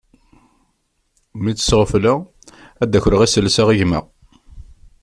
Mi tt-sɣefleɣ ad d-akreɣ iselsa i gma.